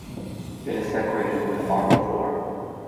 It is decorated with a marble floor.